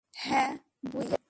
হাঁ, বুঝেছি।